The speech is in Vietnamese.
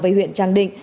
về huyện tràng định